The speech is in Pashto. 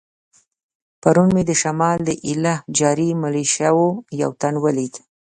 پرون مې د شمال د ایله جاري ملیشو یو تن ولید.